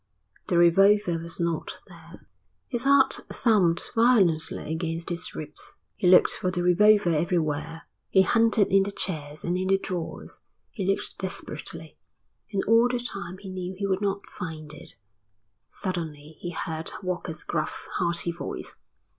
The revolver was not there. His heart thumped violently against his ribs. He looked for the revolver everywhere. He hunted in the chairs and in the drawers. He looked desperately, and all the time he knew he would not find it. Suddenly he heard Walker's gruff, hearty voice.